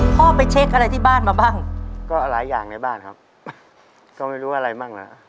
พ่อไปเช็คอะไรที่บ้านมาบ้างก็หลายอย่างในบ้านครับก็ไม่รู้อะไรบ้างล่ะ